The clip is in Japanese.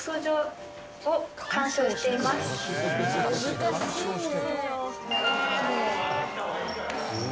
難しいね。